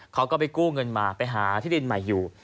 เขาก็ไปกู้เงินมาไปหาที่ดินใหม่อยู่